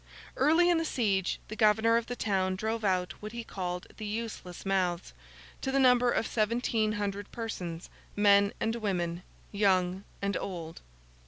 Early in the siege, the governor of the town drove out what he called the useless mouths, to the number of seventeen hundred persons, men and women, young and old.